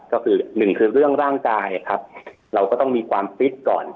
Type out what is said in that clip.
ก็คือหนึ่งคือเรื่องร่างกายครับเราก็ต้องมีความฟิตก่อน